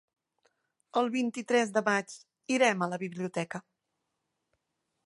El vint-i-tres de maig irem a la biblioteca.